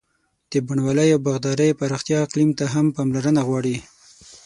د بڼوالۍ او باغدارۍ پراختیا اقلیم ته هم پاملرنه غواړي.